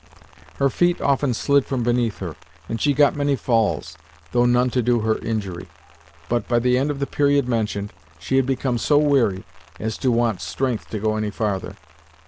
Her feet often slid from beneath her, and she got many falls, though none to do her injury; but, by the end of the period mentioned, she had become so weary as to want strength to go any farther.